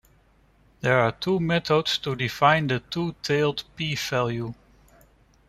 There are two methods to define the two tailed p-value.